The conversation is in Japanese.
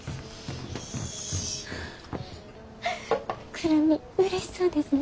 久留美うれしそうですね。